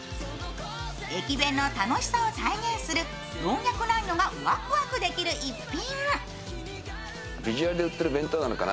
駅弁の楽しさを体現する老若男女がワクワクできる逸品。